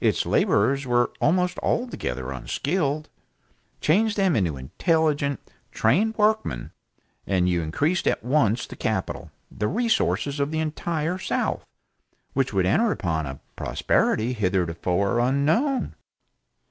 Its laborers were almost altogether unskilled. Change them into intelligent, trained workmen, and you increased at once the capital, the resources of the entire south, which would enter upon a prosperity hitherto unknown.